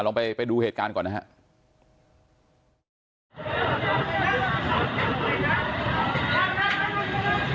ลองไปดูเหตุการณ์ก่อนนะครับ